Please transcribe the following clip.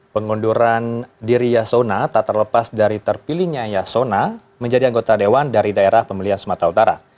pengunduran diri yasona tak terlepas dari terpilihnya yasona menjadi anggota dewan dari daerah pemilihan sumatera utara